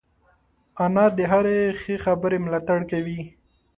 انا د هرې ښې خبرې ملاتړ کوي